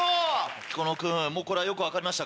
彦野君もうこれはよく分かりましたか？